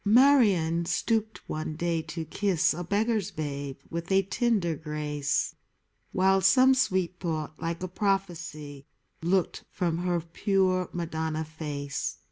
Marion stooped one day to kiss A beggar's babe with a tender grace ; While some sweet thought, like a prophecy, Looked from her pure Madonna face.